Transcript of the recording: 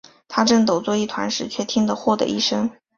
他正抖作一团时，却听得豁的一声